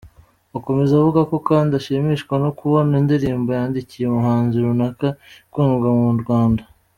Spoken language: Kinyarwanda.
Akomeza avuga ko kandi ashimishwa no kubona indirimbo yandikiye umuhanzi runaka ikundwa mu Rwanda.